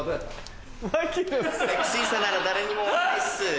セクシーさなら誰にも負けないっす。